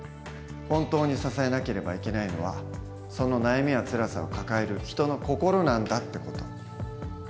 本当に支えなければいけないのはその悩みやつらさを抱える人の心なんだ」って事。